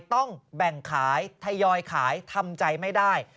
ต้องแบ่งขายทยอยขายทำใจไม่ได้